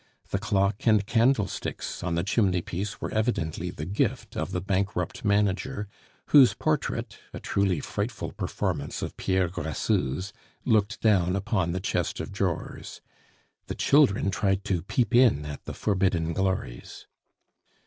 The clock and candlesticks on the chimneypiece were evidently the gift of the bankrupt manager, whose portrait, a truly frightful performance of Pierre Grassou's, looked down upon the chest of drawers. The children tried to peep in at the forbidden glories.